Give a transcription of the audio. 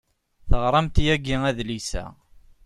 Teɣramt yagi adlis-a.